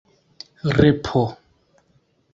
repo